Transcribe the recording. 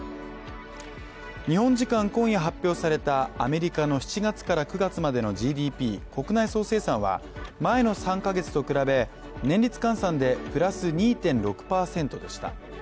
日本時間今夜発表されたアメリカの７月から９月までのＧＤＰ＝国内総生産は、前の３か月と比べ年率換算でプラス２．６％でした。